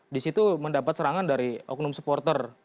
di situ mendapat serangan dari oknum supporter